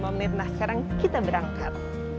tiga puluh lima menit nah sekarang kita berangkat